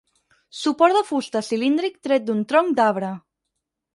Suport de fusta cilíndric tret d'un tronc d'arbre.